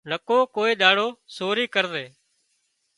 نڪو ڪوئي ۮاڙو سوري ڪرزي